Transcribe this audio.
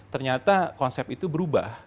ternyata konsep itu berubah